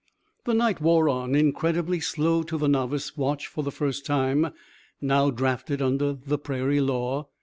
The night wore on, incredibly slow to the novice watch for the first time now drafted under the prairie law.